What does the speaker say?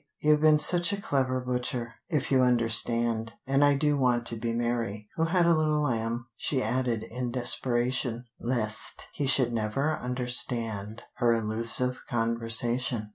You've been such a clever butcher, if you understand, and I do want to be Mary, who had a little lamb" she added in desperation, lest he should never understand her allusive conversation.